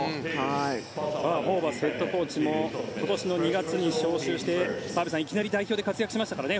ホーバスヘッドコーチも今年の２月に招集して澤部さん、いきなり代表で活躍しましたからね。